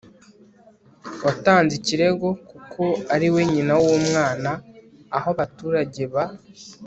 watanze ikirego kuko ari we nyina w'umwana. aho abaturage ba